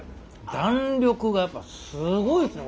弾力がやっぱすごいですね